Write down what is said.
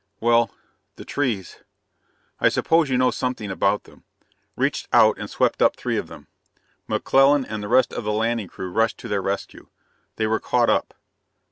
"Well, the trees I suppose you know something about them reached out and swept up three of them. McClellan and the rest of the landing crew rushed to their rescue. They were caught up.